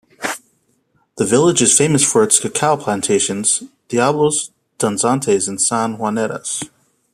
The village is famous for its cacao plantations, Diablos danzantes and San Juaneras.